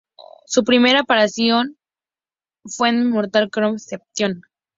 Su primera aparición fue en "Mortal Kombat Deception".